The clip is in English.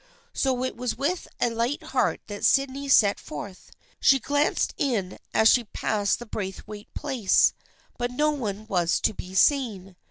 So it was with a light heart that Sydney set forth. She glanced in as she passed the Braith waite place, but no one was to be seen.